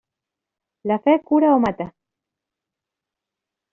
La fe cura o mata.